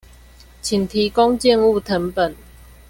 請提供建物謄本